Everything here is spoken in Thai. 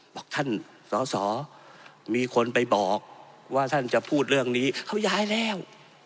บอกท่านสอสอมีคนไปบอกว่าท่านจะพูดเรื่องนี้เขาย้ายแล้ว